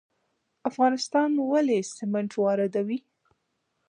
افغانستان ولې سمنټ واردوي؟